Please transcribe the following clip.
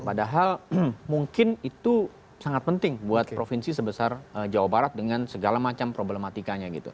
padahal mungkin itu sangat penting buat provinsi sebesar jawa barat dengan segala macam problematikanya gitu